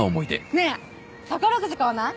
ねえ宝くじ買わない？